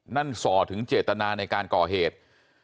ส่อถึงเจตนาในการก่อเหตุ